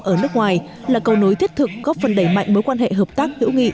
ở nước ngoài là cầu nối thiết thực góp phần đẩy mạnh mối quan hệ hợp tác hữu nghị